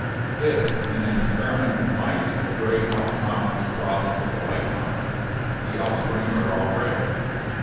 If in an experiment with mice a gray house mouse is crossed with a white mouse, the offspring are all gray.